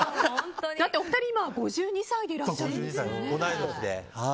お二人、今５２歳でいらっしゃるんですよね。